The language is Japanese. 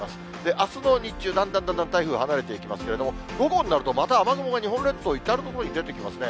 あすの日中、だんだんだんだん台風は離れていきますけれども、午後になると、また雨雲が日本列島、至る所に出てきますね。